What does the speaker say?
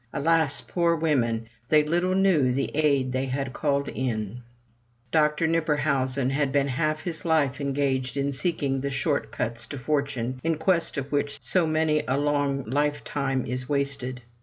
Alas, poor women ! they little knew the aid they had called in. Dr. Knipperhausen had been half his life engaged in seeking the short cuts to fortune, in quest of which so many a long lite time is wasted.